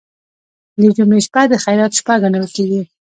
د جمعې شپه د خیرات شپه ګڼل کیږي.